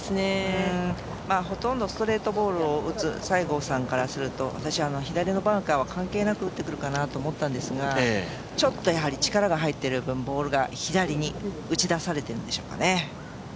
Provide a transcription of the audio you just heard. ほとんどストレートボールを打つので西郷真央さんは左のバンカーは関係なく打ってくるかと思ったんですが、ちょっとやはり力が入っている分、ボールが左に打ち出されているんですかね。